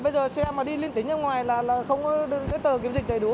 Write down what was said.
bây giờ xe mà đi liên tính ra ngoài là không có cái tờ kiểm dịch đầy đủ